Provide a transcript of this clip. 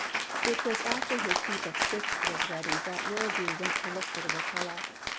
It was after his heap of sticks was ready that Wildoo went to look for the Wokala.